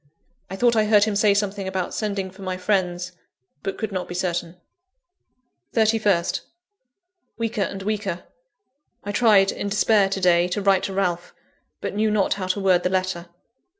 I thought I heard him say something about sending for my friends, but could not be certain. 31st. Weaker and weaker. I tried in despair, to day, to write to Ralph; but knew not how to word the letter.